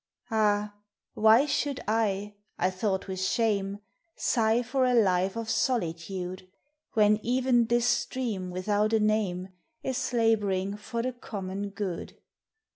Ah ! why should I, I thought with shame, Sigh for a life of solitude, When even this stream without a name Is laboring for the common good.